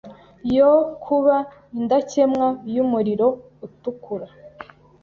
yo kuba indakemwa yumuriro utukura